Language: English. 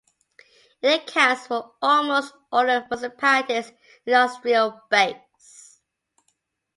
It accounts for almost all the municipality's industrial base.